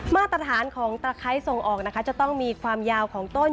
มาตรฐานของตะไคร้ส่งออกนะคะจะต้องมีความยาวของต้น